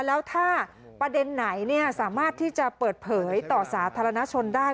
แล้วถ้าประเด็นไหนสามารถที่จะเปิดเผยต่อสาธารณชนได้